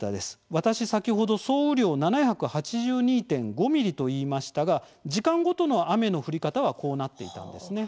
私、先ほど総雨量７８２．５ｍｍといいましたが、時間ごとの雨の降り方はこうなっていたんですね。